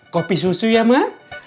kopi susu ya emak